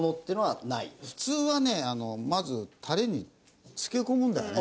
普通はねまずタレに漬け込むんだよね。